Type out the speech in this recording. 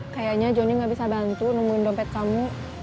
kayaknya jonny gak bisa bantu nungguin dompet kamu